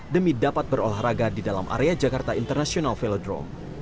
demi dapat berolahraga di dalam area jakarta international velodrome